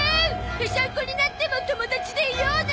ペシャンコになっても友達でいようね。